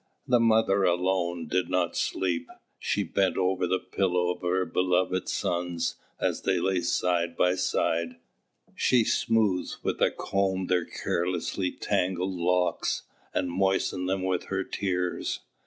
The mother alone did not sleep. She bent over the pillow of her beloved sons, as they lay side by side; she smoothed with a comb their carelessly tangled locks, and moistened them with her tears.